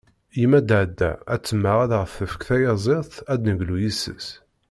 Yemma Daɛda ad temmeɣ ad aɣ-d-tefk tayaziḍt ad d-neglu yis-s.